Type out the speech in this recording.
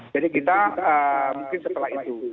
jadi kita mungkin setelah itu